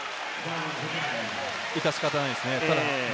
致し方ないですね。